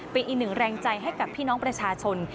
เป็นอีกหนึ่งแรงใจให้กับพี่น้องประชาชน